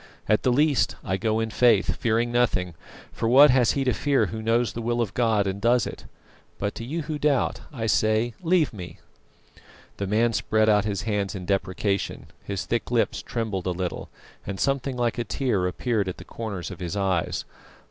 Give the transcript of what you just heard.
At the least I go in faith, fearing nothing, for what has he to fear who knows the will of God and does it? But to you who doubt, I say leave me!" The man spread out his hands in deprecation; his thick lips trembled a little, and something like a tear appeared at the corners of his eyes.